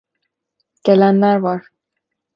Gelenler var.